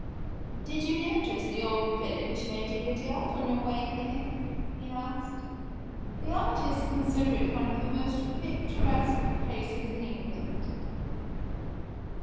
"Did you notice the old village, Lady Lydiard, on your way here?" he asked. "The artists consider it one of the most picturesque places in England."